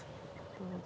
どうぞ。